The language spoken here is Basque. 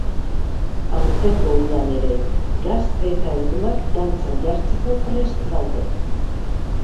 Aurtengo udan ere, gazte eta helduak dantzan jartzeko prest daude.